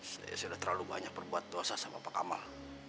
saya sudah terlalu banyak berbuat dosa sama pak kamal